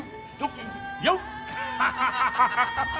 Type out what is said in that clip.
ハハハハハッ！